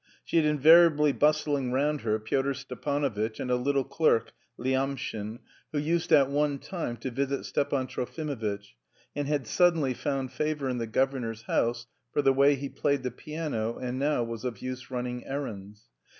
She had invariably bustling round her Pyotr Stepanovitch and a little clerk, Lyamshin, who used at one time to visit Stepan Trofimovitch, and had suddenly found favour in the governor's house for the way he played the piano and now was of use running errands.